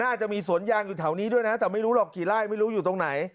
อาจจะมีสวนยางอยู่แถวนี้ด้วยนะแต่ไม่รู้หรอกกี่ไร่ไม่รู้อยู่ตรงไหน